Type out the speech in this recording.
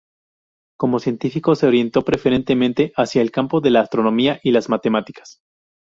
Como científico se orientó preferentemente hacia el campo de la astronomía y las matemáticas.